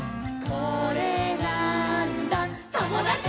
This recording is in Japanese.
「これなーんだ『ともだち！』」